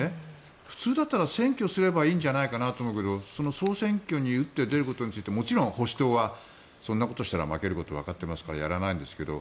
普通だったら選挙すればいいんじゃないかなと思うけど総選挙に打って出ることについてもちろん保守党はそんなことしたら負けることがわかっていますからやらないんですけど。